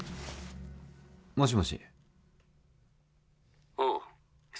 もしもし。